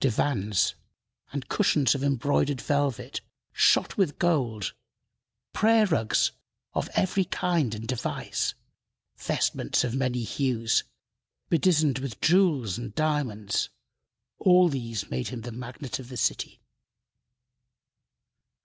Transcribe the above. Divans and cushions of embroidered velvet shot with gold, prayer rugs of every kind and device, vestments of many hues, bedizened with jewels and diamonds all these made him the magnate of the city.